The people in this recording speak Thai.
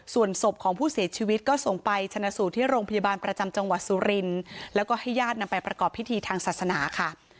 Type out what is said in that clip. ส่วนศพของผู้เสียชีวิตก็ส่งไปชนะสูตรที่โรงพยาบาลประจำจังหวัดสุรินทร์แล้วก็ให้ญาตินำไปประกอบพิธีทางศาสนาค่ะ